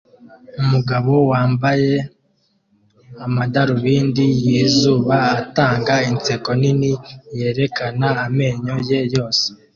Umugabo wambaye amadarubindi yizuba atanga inseko nini yerekana amenyo ye yose!